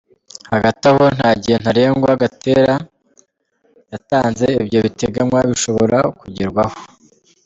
Hagati aho, nta gihe ntarengwa Gatare yatanze ibyo biteganywa bishobora kugerwaho.